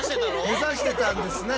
目指してたんですね。